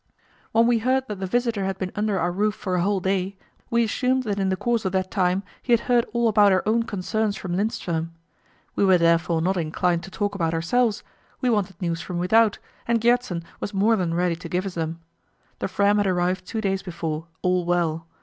When we heard that the visitor had been under our roof for a whole day, we assumed that in the course of that time he had heard all about our own concerns from Lindström. We were therefore not inclined to talk about ourselves; we wanted news from without, and Gjertsen was more than ready to give us them. The Fram had arrived two days before, all well.